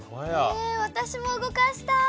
私も動かしたい！